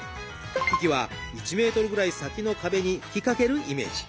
息は１ｍぐらい先の壁に吹きかけるイメージ。